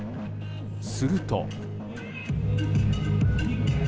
すると。